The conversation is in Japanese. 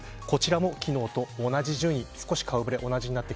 こちらも昨日と同じ順位。